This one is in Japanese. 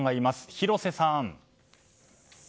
広瀬さん。